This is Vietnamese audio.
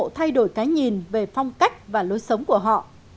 và những thực ph waiting thực sự có thể thể thay đổi cá nhìn về phong cách và lối sống của họ